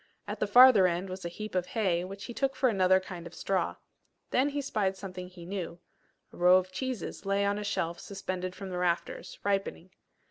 At the farther end was a heap of hay, which he took for another kind of straw. Then he spied something he knew; a row of cheeses lay on a shelf suspended from the rafters, ripening.